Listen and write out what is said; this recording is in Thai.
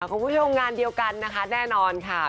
คุณผู้ชมงานเดียวกันนะคะแน่นอนค่ะ